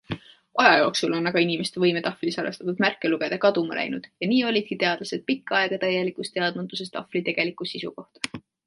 Aja jooksul on aga inimeste võime tahvlil salvestatud märke lugeda kaduma läinud ja nii olidki teadlased pikka aega täilikus teadmatuses tahvli tegeliku sisu kohta.